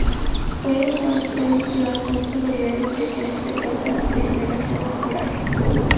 Puede o no estar vinculada con otras variedades de lesiones que causan degeneración vascular.